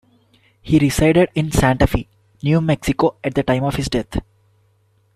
He resided in Santa Fe, New Mexico at the time of his death.